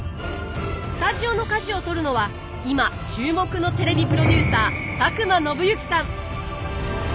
スタジオの舵を取るのは今注目のテレビプロデューサー佐久間宣行さん。